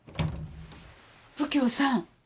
右京さん。